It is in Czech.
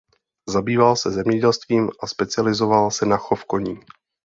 Zabýval se zemědělstvím a specializoval se na chov koní.